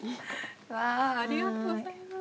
わぁありがとうございます。